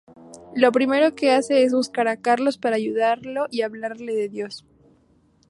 Lo primero que hace, es buscar a Carlos para ayudarlo y hablarle de Dios.